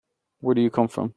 Where do you come from?